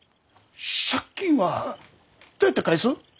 借金はどうやって返す？